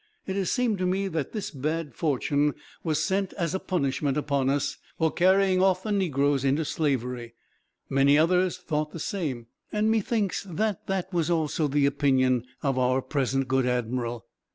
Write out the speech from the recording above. It has seemed to me that this bad fortune was sent as a punishment upon us, for carrying off the negroes into slavery. Many others thought the same, and methinks that that was also the opinion of our present good admiral."